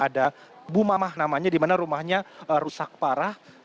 ada bu mamah namanya di mana rumahnya rusak parah